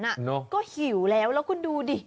แล้วก็หิวแล้วลองกดูดิ